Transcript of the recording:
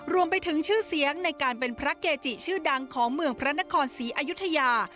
รวมไปถึงชื่อเสียงในการเป็นพระเกจิชื่อดังของเมืองพระนครศรีอยุธยา